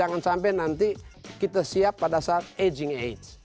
jangan sampai nanti kita siap pada saat aging aids